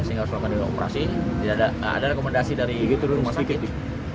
sehingga selama dioperasi tidak ada rekomendasi dari rumah sakit